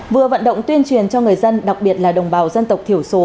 vừa vận động tuyên truyền cho người dân đặc biệt là đồng bào dân tộc thiểu số